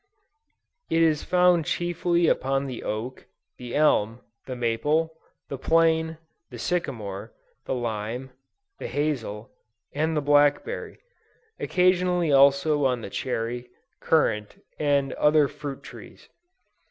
"It is found chiefly upon the oak, the elm, the maple, the plane, the sycamore, the lime, the hazel, and the blackberry; occasionally also on the cherry, currant, and other fruit trees.